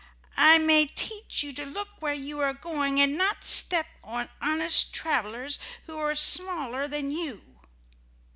"I may teach you to look where you are going, and not step on honest travelers who are smaller than you."